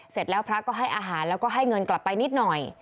เสร็จแล้วพระก็ให้อาหารแล้วก็ให้เงินกลับไปนิดหน่อย